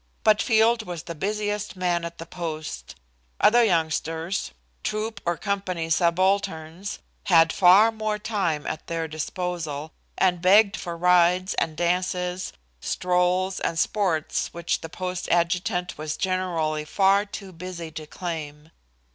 But Field was the busiest man at the post. Other youngsters, troop or company subalterns, had far more time at their disposal, and begged for rides and dances, strolls and sports which the post adjutant was generally far too busy to claim.